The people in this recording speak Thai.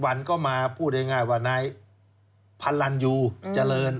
วันก็มาพูดง่ายว่านายพันลันยูเจริญ